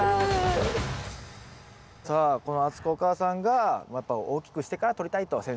さあこの敦子お母さんがやっぱ大きくしてからとりたいと。